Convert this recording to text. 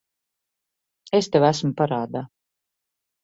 Es tev esmu parādā.